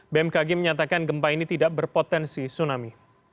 bmkg menyatakan gempa ini tidak berpotensi tsunami